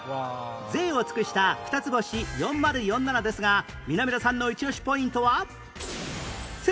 贅を尽くしたふたつ星４０４７ですが南田さんのイチオシポイントは